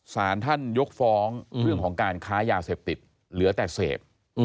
สารท่านยกฟ้องเรื่องของการค้ายาเสพติดเหลือแต่เสพ